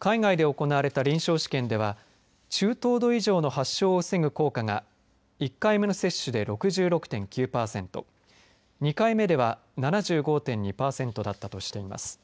海外で行われた臨床試験では中等度以上の発症を防ぐ効果が１回目の接種で６６．９パーセント２回目では７５．２パーセントだったとしています。